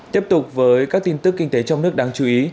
tiếp tục với các tin tức kinh tế trong nước đáng chú ý